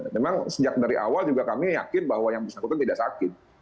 memang sejak dari awal juga kami yakin bahwa yang bersangkutan tidak sakit